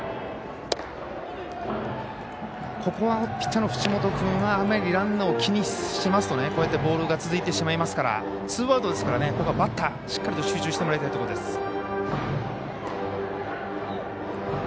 ここはピッチャーの淵本君はあんまりランナーを気にしますと続いてしまいますからツーアウトですからバッターしっかりと集中してもらいたいところです。